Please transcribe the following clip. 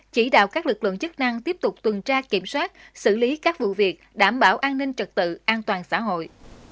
chỉ đạo các lực lượng chức năng tiếp tục tuần tra kiểm soát xử lý các vụ việc đảm bảo an ninh trật tự an toàn xã hội